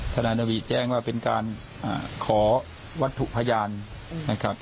ทนายนวีแจ้งว่าเป็นการขอวัตถุพยานนะครับ